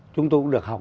chúng tôi cũng được học